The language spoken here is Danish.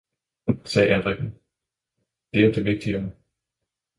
sagde andrikken, det er det vigtigere!